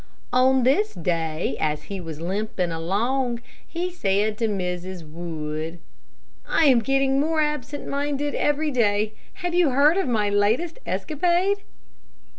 On this day as he was limping along, he said to Mrs. Wood: "I am getting more absent minded every day. Have you heard of my latest escapade?"